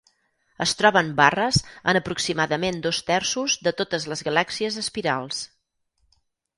Es troben barres en aproximadament dos terços de totes les galàxies espirals.